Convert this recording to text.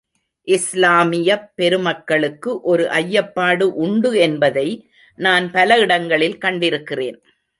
இஸ்லாமியப் பெருமக்களுக்கு ஒரு ஐயப்பாடு உண்டு என்பதை நான் பல இடங்களில் கண்டிருக்கிறேன்.